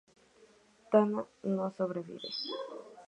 Tana no sobrevive.